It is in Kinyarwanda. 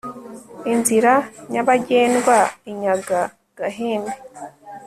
inzira nyabagendwainyaga gahembe